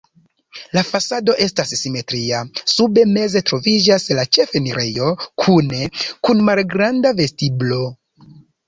La fasado estas simetria, sube meze troviĝas la ĉefenirejo kune kun malgranda vestiblo.